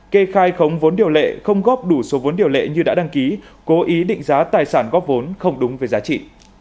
kê khai khống vốn điều lệ không góp đủ số vốn điều lệ như đã đăng ký cố ý định giá tài sản góp vốn không đúng về giá trị